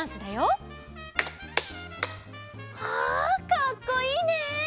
かっこいいね！